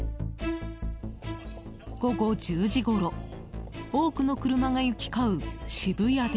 午後１０時ごろ多くの車が行き交う渋谷で。